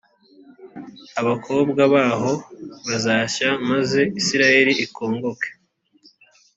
abakobwa baho bazashya maze isirayeli ikongoke